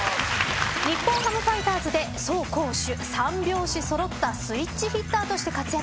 日本ハムファイターズで走攻守３拍子揃ったスイッチヒッターとして活躍。